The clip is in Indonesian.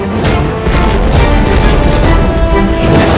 ia itu harta siastanya